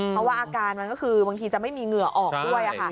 เพราะว่าอาการมันก็คือบางทีจะไม่มีเหงื่อออกด้วย